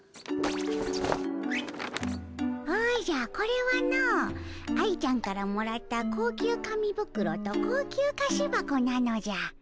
おじゃこれはの愛ちゃんからもらった高級紙袋と高級菓子箱なのじゃ。